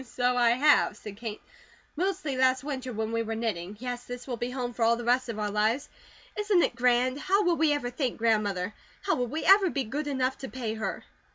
"So I have," said Kate. "Mostly last winter when we were knitting. Yes, this will be home for all the rest of our lives. Isn't it grand? How will we ever thank Grandmother? How will we ever be good enough to pay her?"